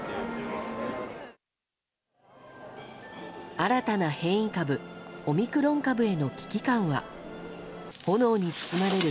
新たな変異株オミクロン株への危機感は炎に包まれる